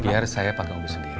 biar saya pakai ombu sendiri